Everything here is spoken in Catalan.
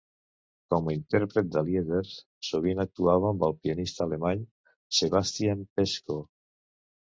Com a intèrpret de Lieder, sovint actuava amb el pianista alemany Sebastian Peschko.